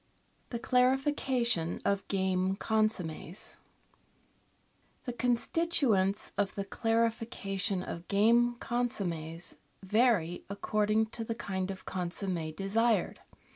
The Clarification of Game Consommes The constituents of the clarification of game consommes vary according to the kind of consomm^ desired.